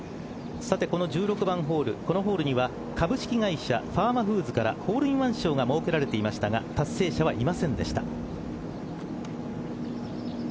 この１６番ホール、このホールには株式会社ファーマフーズからホールインワン賞が設けられていましたが達成者はいませんでした。